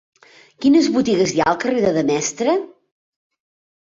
Quines botigues hi ha al carrer de Demestre?